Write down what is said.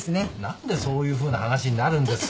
何でそういうふうな話になるんですか。